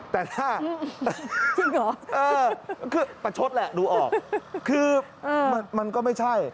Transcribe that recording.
แต่ถ้าคือประชดแหละดูออกคือมันก็ไม่ใช่